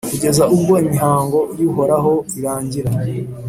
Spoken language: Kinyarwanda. kugeza ubwo imihango y’Uhoraho irangira,